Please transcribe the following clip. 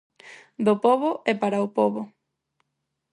Do pobo e para o pobo.